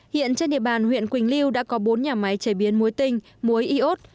hiện trên địa bàn huyện quỳnh lưu đã có bốn nhà máy chế biến muối tinh muối iốt